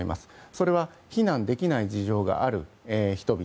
それは避難できない事情がある人々。